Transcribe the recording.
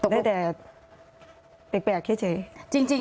ได้แต่แปลกแค่เฉย